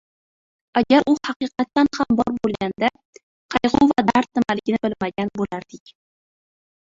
Agar U haqiqatan ham bor boʻlganda, qaygʻu va dard nimaligini bilmagan boʻlardik.